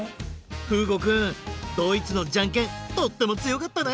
ふうごくんドイツのじゃんけんとってもつよかったね！